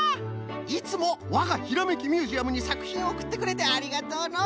いつもわが「ひらめきミュージアム」にさくひんをおくってくれてありがとうの！